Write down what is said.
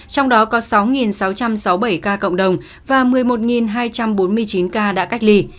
trong đó có sáu sáu trăm sáu mươi bảy ca cộng đồng và một mươi một hai trăm bốn mươi chín ca đã cách ly